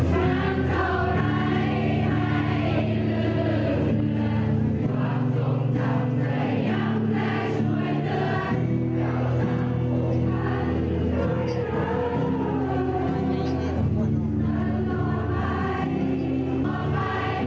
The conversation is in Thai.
หน้าออนนิน่า